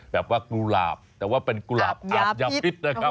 กว่ากุหลาบแต่ว่าเป็นกุหลาบหลาบยาพิษนะครับ